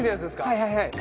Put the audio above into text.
はいはいはい。